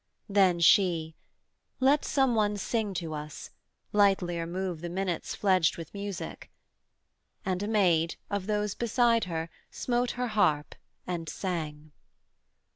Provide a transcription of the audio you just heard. Then she, 'Let some one sing to us: lightlier move The minutes fledged with music:' and a maid, Of those beside her, smote her harp, and sang.